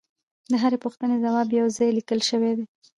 د هرې پوښتنې ځواب یو ځای لیکل شوی دی